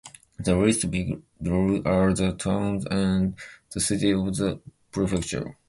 The list below are the towns and the city of the prefecture.